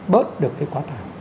bớt được cái quá tải